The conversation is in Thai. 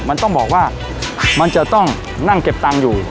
มันต้องบอกว่ามันจะต้องนั่งเก็บตังค์อยู่